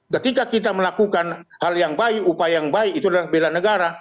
ketika kita melakukan hal yang baik upaya yang baik itu adalah bela negara